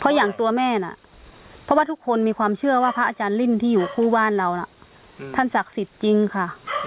เพราะอย่างตัวแม่น่ะเพราะว่าทุกคนมีความเชื่อว่าพระอาจารย์ริ่นที่อยู่คู่บ้านเราน่ะท่านศักดิ์สิทธิ์จริงค่ะ